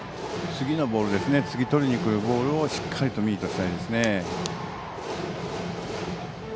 次、とりにくるボールをしっかりとミートしたいですね。